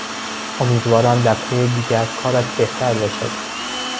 امیدوارم دفعهی دیگر کارت بهتر باشد.